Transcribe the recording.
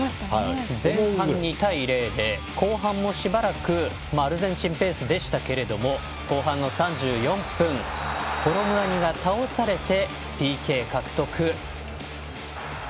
前半、２対０で後半もしばらくアルゼンチンペースでしたが後半の３４分コロムアニが倒されてＰＫ獲得。